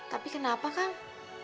tapi kenapa kang